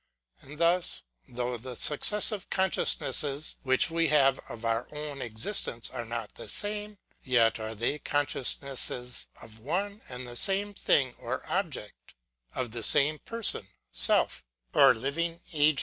And thus, though the successive consciousnesses which we have of our own existence are not the same, yet are they consciousnesses of one and the same thing or object; of the same person, self, or living agent.